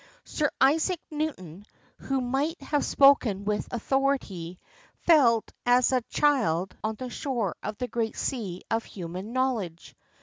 Sir Isaac Newton, who might have spoken with authority, felt as a child on the shore of the great sea of human knowledge.